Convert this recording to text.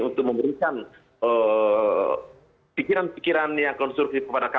untuk memberikan pikiran pikiran yang konservatif kepada negara